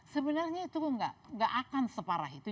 sebenarnya itu enggak enggak akan separah itu